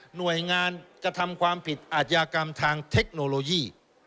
หน่วยงานกระทำความผิดอาชญากรรมทางเทคโนโลยี